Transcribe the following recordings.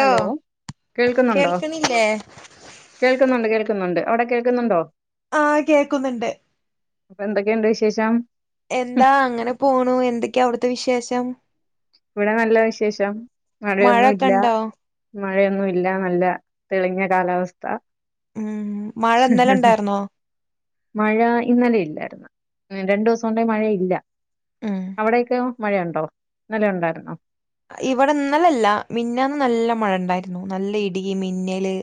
Hello കേൾക്കുന്നുണ്ടോ, കേൾക്കണില്ലേ കേൾക്കുന്നുണ്ട് കേൾക്കുന്നുണ്ട് അവിടെ കേൾക്കുന്നുണ്ടോ? ആ കേക്കുന്നുണ്ട് അപ്പൊ എന്തൊക്കെയുണ്ട് വിശേഷം? എന്താ അങ്ങനെ പോണു, എന്തൊക്കെയാ അവിടുത്തെ വിശേഷം? ഇവിടെ നല്ല വിശേഷം മഴയൊന്നും മഴൊക്കെ ഇല്ല. ഉണ്ടോ മഴയൊന്നും ഇല്ല നല്ല തെളിഞ്ഞ കാലാവസ്ഥ. ഉം മഴ ഇന്നലെ [unintelligible] ഉണ്ടായിരുന്നോ മഴ ഇന്നലെ ഇല്ലാരുന്ന് രണ്ടു ദിസം കൊണ്ടേ മഴ ഇല്ല, ഉം അവിടൊക്കെയൊ മഴയുണ്ടോ? ഇന്നലെണ്ടായിരുന്നോ? ഇവിടെ ഇന്നലെലില്ല, മിന്നാന്ന് നല്ല മഴ ഇണ്ടായിരുന്നു നല്ല ഇടി, മിന്നല്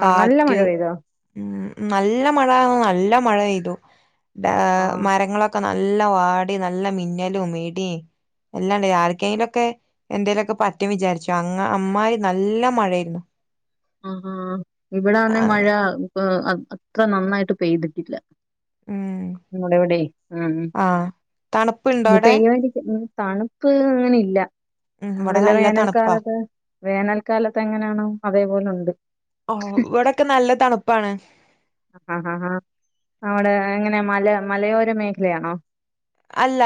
ആ നല്ല കാറ്റ് മഴ പെയ്തോ ഉം നല്ല മഴ നല്ല മഴ പെയ്തു. ആ മരങ്ങളൊക്കെ [unintelligible] നല്ല വാടി നല്ല മിന്നലും മിടിം എല്ലാണ്ട് ആർക്കേലൊക്കെ എന്തേലൊക്കെ പറ്റും വിചാരിച്ചു. അങ അമ്മായി നല്ല മഴേര്ന്നൂ ആ ഇവിടന്ന മഴ ആഹ് അത്ര നന്നായിട്ട് പെയ്തിട്ടില്ല. ഉം [unintelligible] ഉം ആഹ് തണുപ്പുണ്ടോ അവിടെ ഇന്ന്പെയ്യാരിക്കും. തണുപ്പ് അങ്ങനില്ല. ഉം ഇവിടെ നമ്മളെല്ല നല്ല തണുപ്പാ വേനൽക്കാലത്ത് വേനൽക്കാലത്തെങ്ങനാണോ അ ഓ ഇവിടൊക്കെ നല്ല തണുപ്പാണ് ആ ആ ആ അവിടെ എങ്ങനെ മല മലയോര മേഖലയാണോ? അല്ല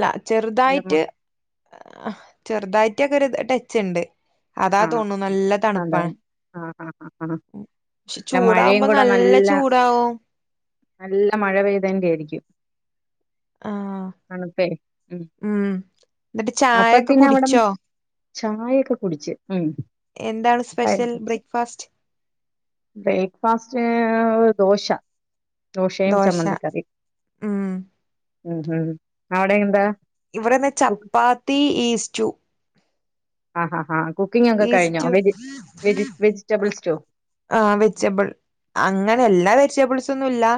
ല്ല ഇല്ല മ- ചെറുതായിറ്റ് ചെറുതായിറ്റൊക്കര് ടച്ച് ണ്ട്. അതാ ആ തോൺണു നല്ല അതെ തണുപ്പാണ്. ആ ആ ആ ആ ക്ഷെ പിന്നെ മഴയും ചൂടാവുമ്പം കൂടെ നല്ല ചൂടാവും. നല്ല മഴ പെയ്തേന്റേയിരിക്കും. ആഹ് തണുപ്പെ ഉം എന്നിട്ട് അപ്പൊ ചായൊക്കെ പിന്നെ അവടം കുടിച്ചോ ചായൊക്കെ കുടിച്ച്. ഉം എന്താണ് സ്പെഷ്യൽ ബ്രേക്ക്ഫാസ്റ്റ്? ബ്രേക്ഫാസ്റ്റ് ദോശ. ദോശയും ദോശ ചമ്മന്തിക്കറിം. ഉം ഉം ഹും അവിടെയെന്താ? ഇവടെ ന്ന് ചപ്പാത്തി ഈസ്റ്റു. ആ ഹ ഹ കുക്കിങ്ങൊക്കെ കഴിഞ്ഞോ വെജി വെജി വെജിറ്റബിൾസ്റ്റൂ ആ വെജിറ്റബിൾ അങ്ങനെ എല്ലാ വെജിറ്റബിൾസ് ത്തൊന്നുല്ലാ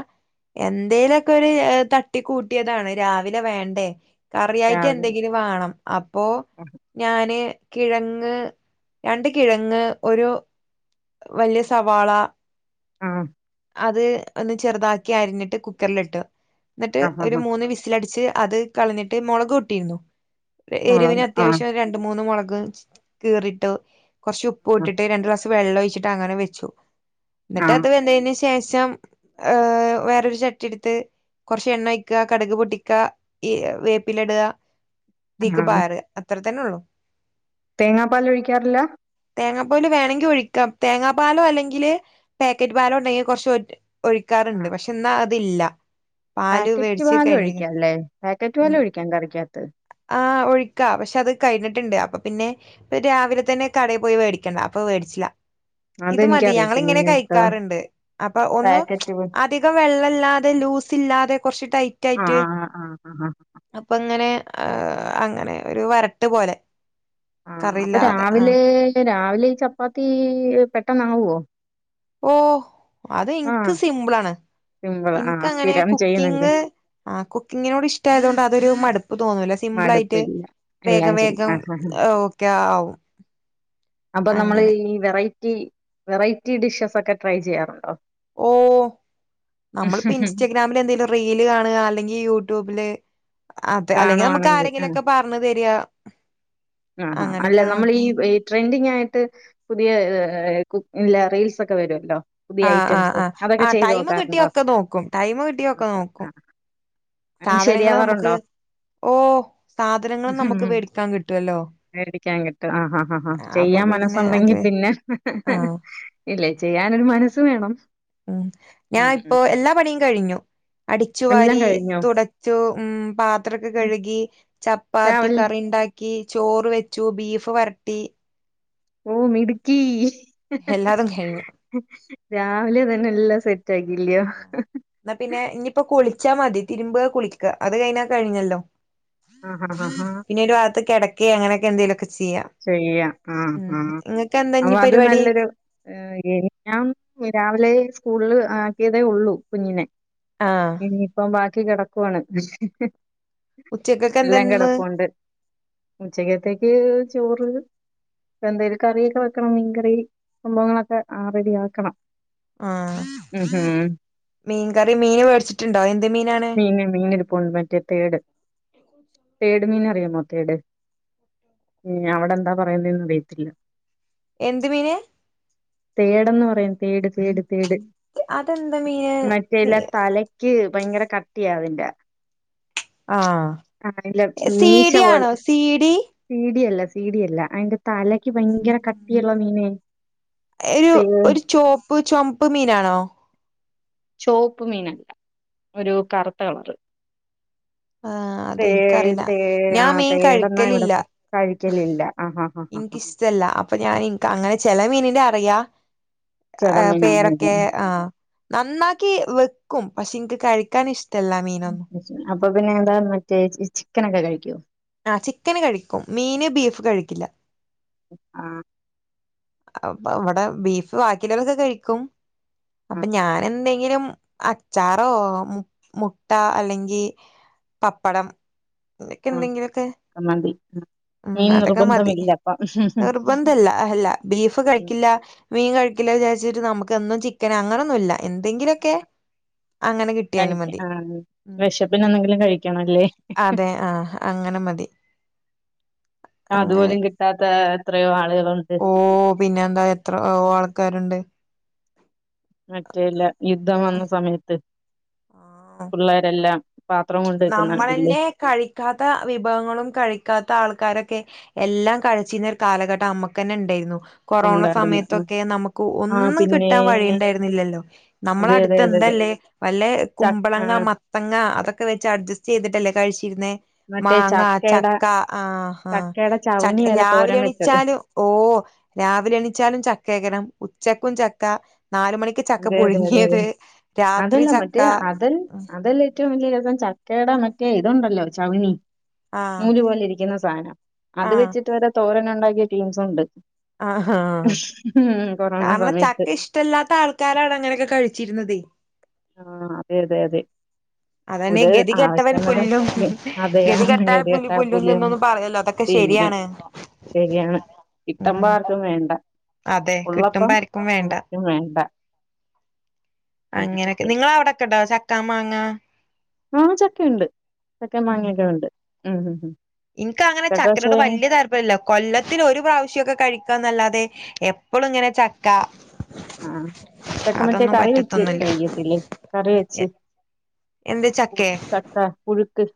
എന്തേലക്കൊരു തട്ടി കൂട്ടിയതാണ് രാവിലെ വേണ്ടേ കറിയായിറ്റ് രാവിലെ എന്തെങ്കിലും വാണം അപ്പോ ഞാന് കിഴങ്ങ് രണ്ട് കിഴങ്ങ് ഒരു വല്യ സവാള ആ അത് ഒന്ന് ചെറുതാക്കി അരിഞ്ഞിട്ട് കുക്കറിലിട്ട് ന്ന്ട്ട് ആ ആ ഒരു മൂന്ന് വിസിലടിച്ച് അത് കളഞ്ഞിട്ട് മൊളകുട്ടിരുന്നു എരിവിന് മുളക് ആഹ് അത്യാവശ്യം രണ്ട് മൂന്ന് മൊളക് ക് കീറിട്ടു കൊർച്ച് ആഹ് ഉപ്പുട്ടിട്ട് രണ്ട് ഗ്ലാസ് വെള്ളം ഒഴിച്ചിട്ട് അങ്ങനെ വെച്ചു ന്ന്ട്ട് ആഹ് അത് വെന്തേയ്ന് ശേഷം ഏ വേറൊരു ചട്ടിട്ത്ത് കൊർച്ചെണ്ണോയ്ക്ക്യ കട്ക് പൊട്ടിക്ക ഈ വേപ്പിലടാ തീക്ക് പാര അത്രത്തെന്നൊള്ളു തേങ്ങാപ്പാല് ഒഴിക്കാറില്ല തേങ്ങാപ്പാല് വേണെങ്കി ഒഴിക്കാം തേങ്ങാ പാലോ അല്ലെങ്കില് പാക്കറ്റ് പാലോണ്ടെങ്കില് കൊർച്ചൊ ആ. ഒഴിക്കാറ്ണ്ട് പക്ഷെ ന്നതില്ല പാക്കറ്റ് പാലൊഴിക്കാല്ലേ പാക്കറ്റ് പലൊഴിക്കാം കറിക്കകത്ത് ആ ഒഴിക്ക പക്ഷെ അത് കഴിഞ്ഞിട്ട്ണ്ട് അപ്പൊ പിന്നെ രാവിലെ തന്നെ കടേ പോയി വേടിക്കണ്ടേ അപ്പൊ വേടിച്ചില ഇത് മതി അതെനിക്കറിയത്തില്ല ഞങ്ങളിങ്ങനെ കേട്ടോ കഴിക്കാറ്ണ്ട് അപ്പൊ ഒന്നും പാക്കറ്റ് പ അധികം വെള്ള ല്ല ല്ലാതെ ലൂസില്ലാതെ കൊർച്ച് ടൈറ്റായിട്ട് ആഹ് ആഹ് ആഹ് അപ്പങ്ങനെ ഏ അങ്ങനെ ഒരു വരട്ട് പോലെ ആ അപ്പൊ കറിയില്ലാതെ ആ രാവിലേ രാവിലെ ഈ ചപ്പാത്തീ പെട്ടന്നാവോ ഓ അത് ൻക്ക് സിമ്പ്ളാണ് സിമ്പിൾ ആഹ് ഇൻക്കങ്ങനെ സ്ഥിരം ചെയ്യുന്നെങ്കിൽ കുക്കിങ് ആ കുക്കിങ്ങിനോഷ്ടായതോണ്ട് അതൊരു മടുപ്പ പ്പ് തോന്നൂല സിംപ്ലായിട്ട് മടുപ്പില്ല എല്ലാം വേഗം ചെയ്യും വേഗം ആഹ് ആഹ് ഒക്കെ ആവും അപ്പൊ നമ്മൾ അങ്ങനെ ഈ വെറൈറ്റി വെറൈറ്റി ഡിഷസ് ഒക്കെ ട്രൈ ചെയ്യാറുണ്ടോ ഓ നമ്മളിപ്പോ ഇൻസ്റ്റാഗ്രാമില് എന്തെങ്കിലും റീല് കാണുക അല്ലെങ്കിൽ യൂട്യൂബില് അതെ അല്ലെങ്കിൽ നമുക്ക് കാണുവാണെങ്കിൽ ആഹ് ആരെങ്കിലുമൊക്കെ പറഞ്ഞു തരാ ആഹാ അല്ല നമ്മൾ ഈ ട്രെൻഡിങ് ആയിട്ട് പുതിയ ഏ കുഇല്ല റീൽസ് ഒക്കെ വരുമല്ലോ ആ് ആ് ആ ആ് ടൈമ് കിട്ടിയ ഒക്കെ നോക്കും ടൈമ് കിട്ടിയൊക്കെ ഓക്കെ. ആ. നോക്കും അങ്ങനെ സാധനങ്ങൾ നമുക്ക് ശരിയാവാറുണ്ടോ? ഓ സാധനങ്ങളും ഉം. നമുക്ക് വേടിക്കാൻ കിട്ടും മേടിക്കാൻ കിട്ടും ആഹ ആ അപ്പൊ ചെയ്യാ പിന്നെ മനസ്സുണ്ടെങ്കി അത് പിന്നെ ഹ് ഹ് ഹ് ആഹ് ഇല്ലേ ചെയ്യാനൊരു മനസ്സ് വേണം ഉം ഉം, ഞാൻ ഇപ്പൊ ഉം. എല്ലാ പണിയും കഴിഞ്ഞു അടിച്ചു എല്ലാം വാരി കഴിഞ്ഞോ? തുടച്ചു ഉം പാത്രൊക്കെ ഉം. കഴുകി ചപ്പാത്തി രാവിലെ കറി ഉണ്ടാക്കി ചോറ് വെച്ചു ബീഫ് വരട്ടി ഓ മിടുക്കി ഹ്‌ എല്ലാതും കഴിഞ്ഞു ഹ് രാവിലെ തന്നെല്ലാം സെറ്റ് ആ എന്നാ പിന്നെ ഇനിയിപ്പോ കുളി കുളി ച്ചാമതി തിരുമ്പ കുളിക്ക അത് കഴിഞ്ഞാ കഴിഞ്ഞല്ലോ ആഹ് ഹഹ് ആഹ് ഹഹ് ക്കെ അങ്ങനൊക്കെ നെന്തെലൊക്കെ ചെയ്യ ആഹ ആഹ ഇങ്ങക്ക് എന്താ ഇനി അപ്പൊ അത് പരിപാടി നല്ലൊരു [unintelligible] രാവിലെ സ്കൂളില് ആക്കിയതേ ഉള്ളൂ കുഞ്ഞിനെ ആഹ് ഇനിയിപ്പം ബാക്കി കിടക്കുവാണ് ഉച്ചക്കൊക്കെ എന്താ എല്ലാം ഇന്ന് കിടപ്പുണ്ട് ഉച്ചക്കത്തേക്ക് ചോറ് എന്തേലും കറിയൊക്കെ വെക്കണം മീൻകറി സംഭവങ്ങളൊക്കെ ആ റെഡി ആക്കണം ആഹ മീൻകറി മീന് മേടിച്ചിട്ടുണ്ടോ എന്ത് മീനാണ് പൊൺവറ്റേ തേട് തേട് മീൻ അറിയാമോ തേട് ഉ അവിടെ എന്താ പറയുന്നന്ന് അറിയത്തില്ല എന്ത് മീന് [inaudible] തേടെന്ന് പറയും തേട് തേട് തേട് അതെന്താ മീന് മറ്റേല്ല തലക്ക് ഭയങ്കര ക ട്ടിയാവില്ല ആഹ് ആല്ല മീശ സീഡി പോലെ ആണോ സീഡി സീടിയല്ല സീടിയല്ല അതിന്റെ തലക്ക് ഭയങ്കര കട്ടിയുള്ള മീനെ ഒരു ഒരു ചോപ്പ് ചുമപ്പ് മീനാണോ ചോപ്പ് മീനല്ല ഒരു കറുത്ത കളറ് ആഹ് [inaudible] അത് തേ എനിക്കറിയില്ല തേ ആ ഞാൻ മീൻ തേടന്നാ ഇവിടെ കഴിക്കലില്ല കഴിക്കലില്ല ആഅ അ അ എനിക്കിഷ്ടല്ല അപ്പൊ ഞാൻ ഇന്ക് അങ്ങനെ ചെല മീനിന്റെ അ റിയാ ചെല മീൻ അങ്ങനെയല്ലേ പേരൊക്കെ ആ നന്നാക്കി വെക്കും പക്ഷെ എനിക്ക് കഴിക്കാൻ ഇഷ്ടം അപ്പൊ പിന്നെ എന്താ മറ്റേ ചിക്കനൊ ക്കെ കഴിക്കോ ആ ചിക്കന് കഴിക്കും മീന് ബീഫ് കഴിക്കില്ല ആ അപ്പൊ ഇവിടെ ബീഫ് ബാക്കിയുള്ളൊക്കെ കഴിക്കും ആ അപ്പൊ ഞാൻ എന്തെങ്കിലും അച്ചാറോ മുട്ട അല്ലെങ്കിൽ പപ്പടം നിനക്ക് എന്തെങ്കിലും [unintelligible] ഉം.. അതൊക്കെ മതി നിർബന്ധമില്ല അപ്പം നിർബന്ധല്ല- അല്ല.. ബീഫ് ഉം, കഴിക്കില്ല. മീൻ കഴിക്കില്ലോ വിചാരിച്ചിട്ട് നമുക്ക്ന്നും ചിക്കനാ, അങ്ങനോന്നു ഇല്ല. എന്തെങ്കിലൊക്കെ. അങ്ങനെ കിട്ടിയാലും കഴിക്ക മതി. ആ ഉം വിശപ്പിന് എന്തെങ്കിലും കഴിക്കണല്ലേ അതെ ആഹ.. അങ്ങനെ- മതി. അങ്ങനെ അതുപോലും കിട്ടാത്ത എത്രയോ- ആളുകൾ. ഓ.. പിന്നെ എന്താ എത്ര ഓ ആൾക്കാരുണ്ട്. മറ്റേല്ല യുദ്ധം വന്ന സമയത്ത് പിള്ളേരെല്ലാം പാത്രം കൊണ്ട് വെക്കുന്ന കണ്ടില്ലേ നമ്മളന്നെ കഴിക്കാത്ത വിഭവങ്ങളും കഴിക്കാത്ത ആൾക്കാരെ ക്കെ എല്ലാം കഴിച്ചീര്ന്ന ഒരു കാലഘട്ടം അമ്മക്കന്നെ ഇണ്ടേരുന്നു കൊറോണ ഉണ്ടായിരുന്നു സമയത്തൊക്കെ നമ്മക്കു ആ ആ ഒന്നും പിന്നെ കിട്ടാൻ വഴിണ്ടാരുന്നില്ലല്ലോ അതെ അതെ നമ്മളട്ത്ത് അതെ എന്താ അതെ ല്ലേ വല്ല ചക്ക ആ കുമ്പളങ്ങ, മത്തങ്ങ അതൊ ജെസ്റ്റെയ്തിട്ടല്ലേ കഴിച്ച് ഇര്ന്നേ മറ്റേ മാങ്ങ, ചക്കയുടെ ചക്ക ആഹ് ആഹ് ചക്കയുടെ ച ചവിണി വരെ രാവിലെ തോരൻ വെച്ചത് എണിച്ചാലും ഒ ഓഹ് രാവിലെ എണിച്ചാലും ചക്കേക്കാരം ഉച്ചക്കും ചക്ക നാല് മണിക്ക് ചക്ക അതെ അതെ അതെ അതെ പുഴുങ്ങിയത് രാത്രി അതല്ല ചക്ക മറ്റേ അതൽ ഉം അതല്ല ഏറ്റവും വലിയ രസം ചക്കേട മറ്റെ ഇതുണ്ടല്ലോ ചവണി ആഹ് നൂല് പോലെ ഇരിക്കിന്ന സാനം അത് ആഹ് വെച്ചിട്ട് വരെ തോരനൊണ്ടാക്കിയ ടീംസുണ്ട് ആഹാ കൊറോണ കാരണം സമയത്ത് ചക്ക ഇഷ്ടല്ലാത്ത ആൾക്കാരാണ് അങ്ങനെയൊക്കെ കഴിച്ചിരുന്നതെ ആഹ് അതെ അതെ അതെ അതന്നെ ഒരു ഗതി കെട്ടവൻ ആവശ്യം വരും പുല്ലും അതെ ആ ഗതി കെട്ടാൽ പുലി ഗതികെട്ടാ പുല്ലും പുലിയും തിന്നുംന്ന് പറയല്ലോ അതൊക്കെ പിന്നെ ശരിയാ ആണ് ശരിയാണ് ഇട്ടമ്പ ആർക്കും വേണ്ട അതെ ഉള്ളപ്പം കിട്ടുമ്പോ ആർക്കും വേണ്ട വേണ്ട അങ്ങനെയൊക്കെ നിങ്ങള അവിടെക്കെണ്ട ചക്കാ മാങ്ങ ആ ചക്കണ്ട് ചക്കെ മാങ്ങൊക്കെ ഉണ്ട് മ് മ് ഇനക്ക് അങ്ങനെ ചക്കരോട് വലിയ താല്പര്യമല്ല കൊല്ലത്തിൽ ഒരു പ്രാവശ്യംക്കെ കഴിക്കന്നല്ലാതെ അതെ എപ്പളും ഇങ്ങനെ ചക്ക ആ ചക്ക മറ്റേ അതൊന്നും കറി വെച്ച് പറ്റത്തൊന്നുല്ല കഴിക്കത്തില്ലേ കറി വെച്ച് എന്ത് ചക്കേ ചക്ക പുഴുക്ക്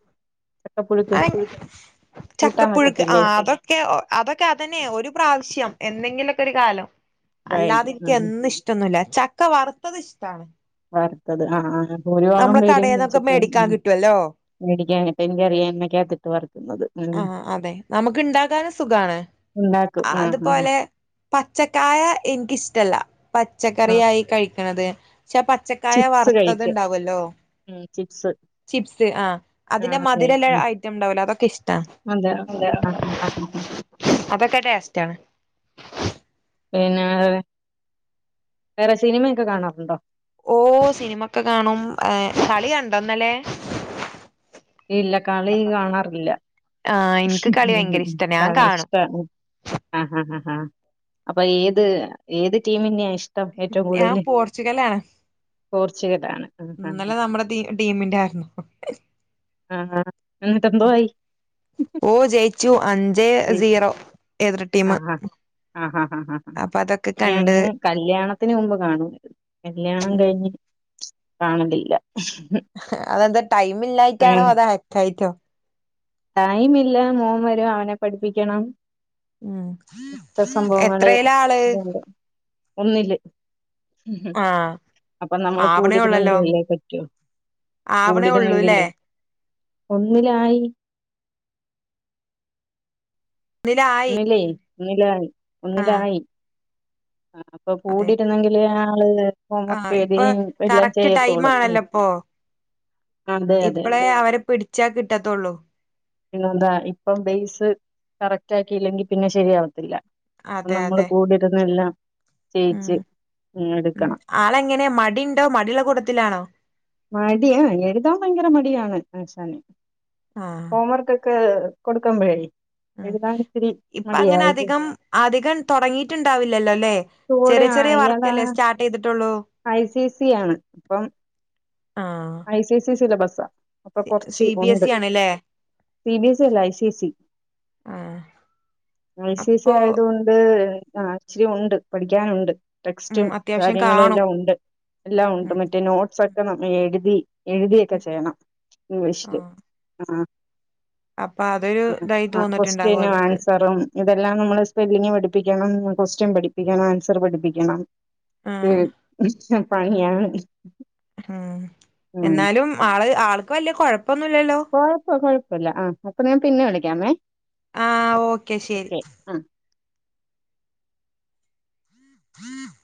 ചക്കപ്പുഴുക്ക് [unintelligible] കൂട്ടാൻ ചക്കപ്പുഴുക്ക് ആ വെക്കത്തില്ലേ അതൊക്കെ അതൊക്കെ അതന്നെ ഒരു പ്രാവശ്യം എന്തെങ്കിലുക്കെ ഒരു കാലം അല്ലാതെ കഴിക്കും ഉം ഉം. എനിക്ക്ന്ന ഇഷ്ടൊന്നുല്ല ചക്ക വറുത്തത് ഇഷ്ടാണ് [unintelligible] ത്തത് ആ ഒരു ഭാഗം നമ്മള് വരും കടേന്നൊക്കെ വച്ചിട്ട് മേടിക്കാൻ [unintelligible] കിട്ടുവല്ലോ ഇപ്പ എനിക്കറിയാം എന്നക്കകത്തിട്ട് പറക്കുന്നത് മ് ആഹ് അതെ നമുക്ക് ഇണ്ടാക്കാനും സുഖാണ് ഉണ്ടാക്കും ആ മ് അതുപോലെ പച്ചക്കായ എനിക്കിഷ്ടല്ല ആ പച്ചക്കറിയായി കഴിക്കണത് ക്ഷെ പച്ചക്കായ വറുത്തത് ണ്ടാവല്ലോ മ് ചിപ്സ് ചിപ്സ് ആ ആ അതിന്റെ അതെ മധുരല്ല ഉം ഐറ്റം ഉണ്ടാവലോ അതൊക്കെ ഇഷ്ടാ അതെ ആഹ് [unintelligible] അതൊക്കെ ടൊസ്റ്റ് ആണ് പിന്നെ വേറെ സിനിമയൊക്കെ കാണാറുണ്ടോ ഓ സിനിമൊക്കെ കാണും കളി കണ്ടോന്നല്ലേ ഇല്ല കളി കാണാറില്ല ആഹ് എനിക്ക് കളി ഭയങ്കര [unintelligible] ഇഷ്ടാ ഞാൻ കാണും ഇഷ്ട അ ആ അപ്പൊ ഏത് ഏത് ടീമിന്റെയ ഞാൻ പോർച്ചുഗല ആ പോർച്ചുഗലാണ്. ആഹ് ആഹ് ഇന്നല്ലെ നമ്മടെ ടീമിന്റെ ആയിരുന്നു ആ എന്നങ്ങിട്ട എന്തോ ആയി അഞ്ച് സീറോ ഏതിർ ടീം ആ ആ ആ ആ അപ്പൊ അതൊക്കെ കണ്ട് ഞാന് കല്യാണ ത്തിന് മുമ്പ് കാണുമായിരുന്നു കല്യാണം ഉം കഴിഞ്ഞ് കാണലില്ല അതെന്താ ടൈമ ഇില്ലായിട്ടാണോ അത അയക്കആയിട്ടോ ടൈമ ഇല്ല മോൻ വരും അവനെ പഠിപ്പിക്കണം ഉം ത്തെ സംഭവങ്ങള് എത്രേയില ആള് അതുകൊണ്ട് ഒന്നില് ആഹ് അപ്പൊ നമ്മള് ആവണേ ഉള്ളല്ലോ കൂടിരുന്നെകിലെ പറ്റോ.. ആവണേ ഉള്ളൂല്ലേ കൂടിരുന്നെങ്കില്ലേ ഒന്നിലായി ഒന്നിലായി ഒന്നിലേ, ഒന്നിലായി.. ആഹ് ഒന്നിലായി അപ്പൊ അതെ കൂടിയിരുന്നെങ്കിലെ ആള്.. ആഹ് ഇപ്പൊ ഹോവർകെതിമ് എല്ലാം കറക്റ്റ് ടൈം ചെയ്യത്തോള് ആണല്ലോ ഇപ്പൊ അതെ അതെ ഇപ്പളേ അതെ അവരെ പിടിച്ചാ കിട്ടതോള്ളൂ പിന്നെന്താ ഇപ്പം ബെയേസ് കറക്റ്റ് ആക്കില്ലെങ്കിൽ പിന്നെ ശരിയാവത്തില്ല അപ്പ നമ്മള് കൂടിരുന്നെല്ലാം ഉ മ്.. ഉ എടുക്കണം ആളെങ്ങനെ മടിണ്ടോ മടിള്ള കൂടത്തിലാണോ മടിയാ. എഴുതാൻ ഭയങ്കര മടിയാണ് ആശാന് ആഹ് ഹോം വർക്ക്ൊക്കെ കൊടുക്കമ്പഴേ ഇപ്പ അങ്ങനെ അധികം അധികം തോടങ്ങിട്ടുണ്ടാവില്ലല്ലേ ല്ലെ കൂടെ ചെറിയ ആ, ചെറിയ ഇയാള് വർക്കല്ലേ സ്റ്റാർട്ടേയ്ത്ടോള്ളൂ ഐ സി സി ആണ് അപ്പം ആഹ് ഐ സി സി സിലബസ് അപ്പൊ സി കൊറച്ച് സി ബി ഒണ്ട്. എസ് ഇ ആണ്ല്ലേ സി ബിസി അല്ല I C C I C C അപ്പൊ ആയതോണ്ട് ആ ഇച്ചിരി ഉണ്ട് പഠിക്കാനുണ്ട് ഉം ടെക്സ്റ്റും അത്യാവശ്യം കാര്യങ്ങളും കാണും എല്ലാം ഉണ്ട്. എല്ലാം ഉണ്ട് ഉം മറ്റേ നോട്ട്സൊക്കെ നമ്മ എഴുതി എഴുതിയൊക്കെ ഉം ചെയ്യണം ഇംഗ്ലീഷില്. ആഹ് ആ അപ്പൊ അതൊരു ഇതായി തോന്നിട്ടുണ്ടാവും കൊസ്റ്റനും അവർക്ക് ആൻസറും ഇതെല്ലാം നമ്മള് സ്പെല്ലിംഗ് പഠിപ്പിക്കണം ക്വസ്റ്റ്യൻ പഠിപ്പിക്കണം ആൻസർ പഠിപ്പിക്കണം ഏ ആഹ് ഇ [unintelligible] പണിയാണ് ഉ ഉം എന്നാലും ആള് ആൾക്ക് വല്യ കൊ ഴപ്പം കൊഴപ്പ കൊഴപ്പല്ല ആ അപ്പൊ ഞാൻ പിന്നെ വിളിക്കാവേ ആ ഓക്കെ ശെരി. ആ ഹം